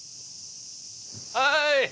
はい！